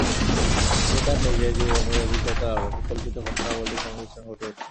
তিনি তার নিজের জীবনের অভিজ্ঞতার আলোকে কল্পিত ঘটনাবলির সংমিশ্রণ ঘটিয়েছেন।